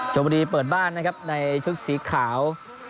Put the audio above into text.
บุรีเปิดบ้านนะครับในชุดสีขาว